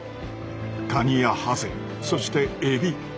カニやハゼそしてエビ。